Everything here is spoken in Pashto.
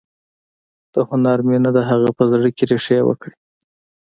د هنر مینه د هغه په زړه کې ریښې وکړې